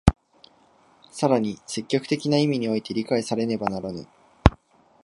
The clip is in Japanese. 更に積極的な意味において理解されねばならぬ。